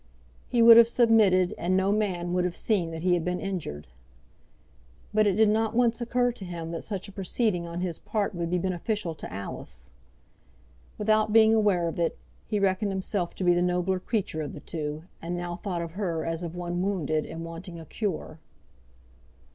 He would have submitted, and no man would have seen that he had been injured. But it did not once occur to him that such a proceeding on his part would be beneficial to Alice. Without being aware of it, he reckoned himself to be the nobler creature of the two, and now thought of her as of one wounded, and wanting a cure.